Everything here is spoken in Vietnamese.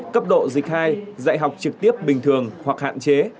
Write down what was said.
cấp độ dịch hai dạy học trực tiếp bình thường hoặc hạn chế